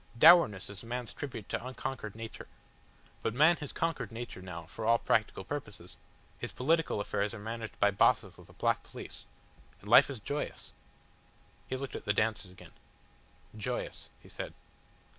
Dourness is man's tribute to unconquered nature. But man has conquered nature now for all practical purposes his political affairs are managed by Bosses with a black police and life is joyous." He looked at the dancers again. "Joyous," he said.